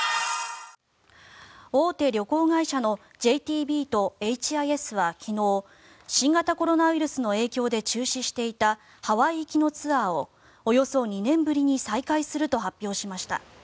大手旅行会社のＪＴＢとＨ．Ｉ．Ｓ．は昨日新型コロナウイルスの影響で中止していたハワイ行きのツアーをおよそ２年ぶりに再開すると発表しました。